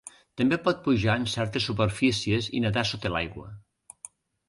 També pot pujar en certes superfícies i nedar sota l'aigua.